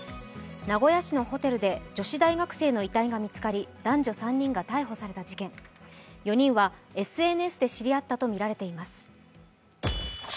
名古屋市のホテルで女子大学生の遺体が見つかり男女３人が逮捕された事件４人はＳＮＳで知り合ったとみられています。